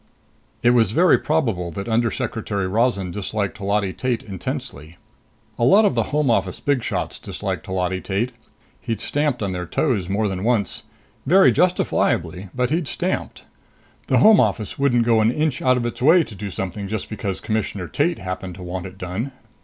It was very probable that Undersecretary Rozan disliked Holati Tate intensely. A lot of the Home Office big shots disliked Holati Tate. He'd stamped on their toes more than once very justifiably; but he'd stamped. The Home Office wouldn't go an inch out of its way to do something just because Commissioner Tate happened to want it done.